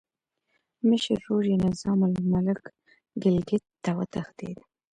مشر ورور یې نظام الملک ګیلګیت ته وتښتېد.